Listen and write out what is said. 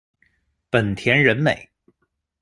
本田仁美。